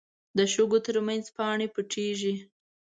د شګو تر منځ پاڼې پټېږي